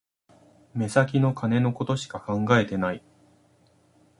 目先の金のことしか考えてない